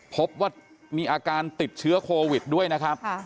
พบว่ามีอาการติดเชื้อโควิดด้วยนะครับ